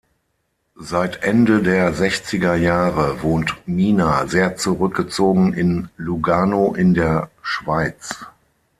Seit Ende der Sechzigerjahre wohnt Mina sehr zurückgezogen in Lugano in der Schweiz.